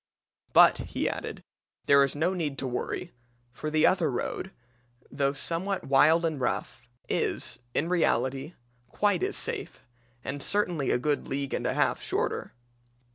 'But,' he added, 'there is no need to worry, for the other road, though somewhat wild and rough, is, in reality, quite as safe, and certainly a good league and a half shorter.'